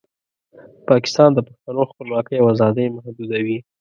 پاکستان د پښتنو خپلواکۍ او ازادۍ محدودوي.